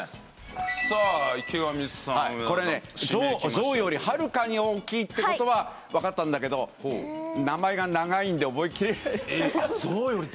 これねゾウよりはるかに大きいってことはわかったんだけど名前が長いんで覚えきれない。